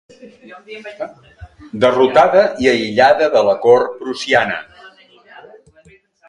Derrotada i aïllada de la cort prussiana.